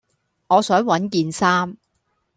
我想搵件衫